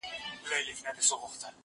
که وخت وي، مکتب ځم!؟